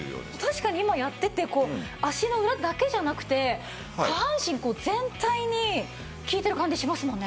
確かに今やっててこう足の裏だけじゃなくて下半身全体に効いてる感じしますもんね。